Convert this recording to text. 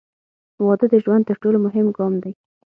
• واده د ژوند تر ټولو مهم ګام دی.